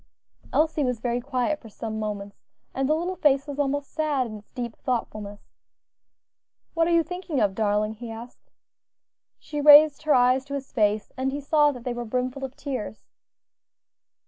Elsie was very quiet for some moments, and the little face was almost sad in its deep thoughtfulness. "What are you thinking of, darling?" he asked. She raised her eyes to his face and he saw that they were brimful of tears.